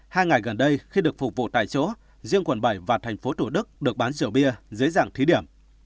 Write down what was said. hai ngày gần đây khi được phục vụ tại chỗ riêng quận bảy và tp hcm được bán rượu bia dưới dạng thí điểm